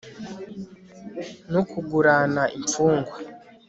no kugurana imfungwa